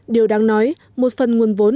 điều đáng nói một phần nguồn vốn